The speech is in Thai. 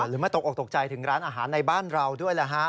หรือไม่ตกออกตกใจถึงร้านอาหารในบ้านเราด้วยแล้วฮะ